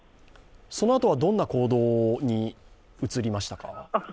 そのあとはどんな行動に移りましたか？